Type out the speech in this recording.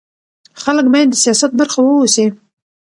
خلک باید د سیاست برخه واوسي